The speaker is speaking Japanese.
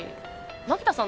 槙田さん